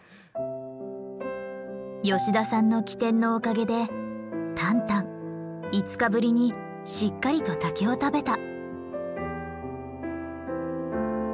吉田さんの機転のおかげでタンタン５日ぶりにしっかりと竹を食べた。